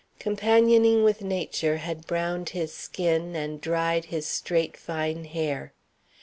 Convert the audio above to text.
Companioning with nature had browned his skin, and dried his straight fine hair.